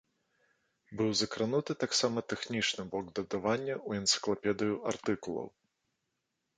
Быў закрануты таксама тэхнічны бок дадавання ў энцыклапедыю артыкулаў.